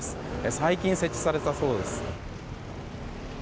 最近、設置されたそうです。